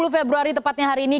dua puluh februari tepatnya hari ini